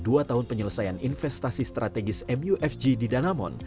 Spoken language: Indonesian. dua tahun penyelesaian investasi strategis mufg di danamon